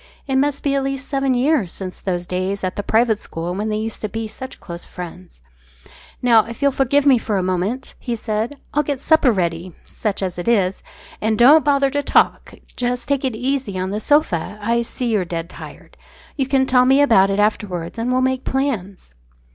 It must be at least seven years since those days at the private school when they used to be such close friends. "Now, if you'll forgive me for a minute," he said, "I'll get supper ready such as it is. And don't bother to talk. Just take it easy on the sofa. I see you're dead tired. You can tell me about it afterwards, and we'll make plans."